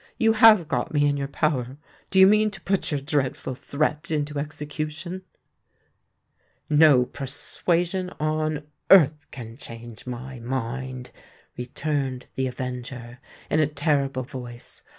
"You have got me in your power—do you mean to put your dreadful threat into execution?" "No persuasion on earth can change my mind!" returned the avenger, in a terrible voice.